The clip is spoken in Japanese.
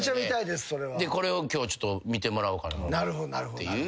これを今日ちょっと見てもらおうかなっていう。